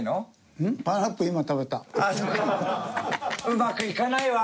うまくいかないわ。